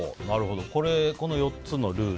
この４つのルール